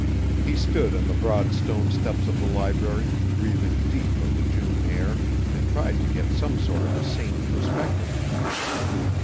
He stood on the broad stone steps of the library, breathing deep of the June air, and tried to get some sort of a sane perspective.